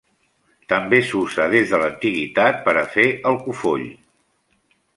També s'usa des de l'antiguitat per a fer alcofoll.